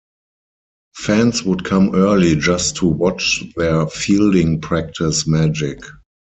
Fans would come early just to watch their fielding-practice magic.